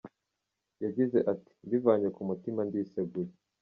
Yagize ati “Mbivanye ku mutima, ndiseguye.